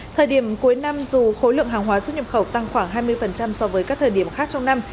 thời điểm cuối năm dù khối lượng hàng hóa xuất nhập khẩu tăng khoảng hai mươi so với các thời điểm khác trong năm